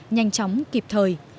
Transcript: nhanh chóng kịp thời